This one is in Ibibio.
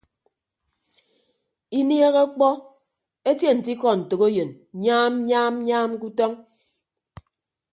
Inieehe ọkpọ etie nte ikọ ntәkeyịn nyaam nyaam nyaam ke utọñ.